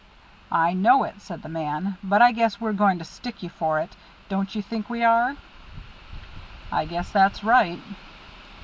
"I know it," said the man. "But I guess we're going to stick you for it. Don't you think we are?" "I guess that's right."